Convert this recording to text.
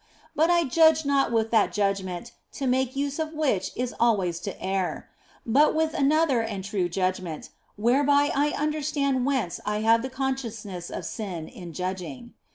But I judge not with that judgment to make use of which is always to err ; but with another and true judgment, whereby I understand whence I have the consciousness of sin in judging.